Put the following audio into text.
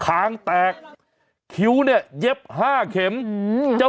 ทางเข้าไปเพราะว่าถ้าเราเข้าไปอ่ะ